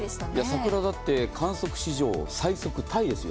桜だって観測史上最速タイですよ。